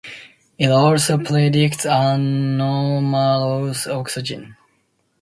It also predicts anomalous oxygen.